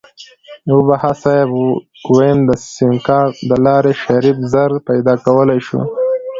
وبښه صيب ويم د سيمکارټ دلارې شريف زر پيدا کولی شو.